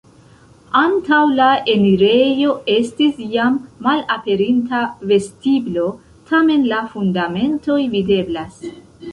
Antaŭ la enirejo estis jam malaperinta vestiblo, tamen la fundamentoj videblas.